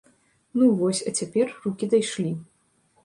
Ну вось, а цяпер рукі дайшлі.